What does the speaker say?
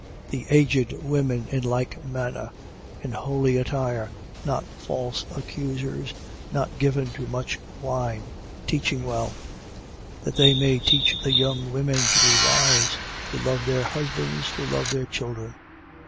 2:3. The aged women, in like manner, in holy attire, not false accusers, not given to much wine, teaching well: 2:4. That they may teach the young women to be wise, to love their husbands, to love their children.